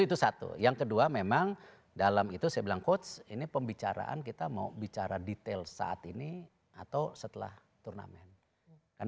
itu satu yang kedua memang dalam itu saya bilang coach ini pembicaraan kita mau bicara detail saat ini atau setelah turnamen kan